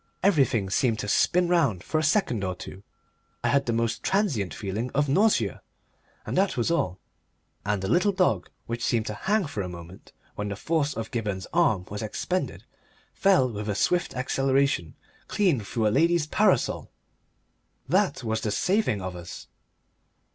Everything seemed to spin round for a second or two, I had the most transient feeling of nausea, and that was all. And the little dog which had seemed to hang for a moment when the force of Gibberne's arm was expended fell with a swift acceleration clean through a lady's parasol! That was the saving of us.